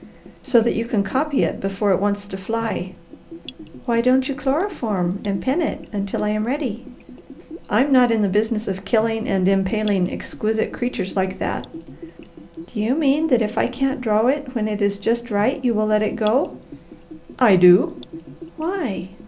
"So that you can copy it before it wants to fly." "Why don't you chloroform and pin it until I am ready?" "I am not in the business of killing and impaling exquisite creatures like that." "Do you mean that if I can't draw it when it is just right you will let it go?" "I do." "Why?"